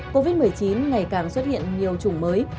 covid một mươi chín ngày càng xuất hiện nhiều chủng mới